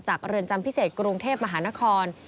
เรือนจำพิเศษกรุงเทพมหานคร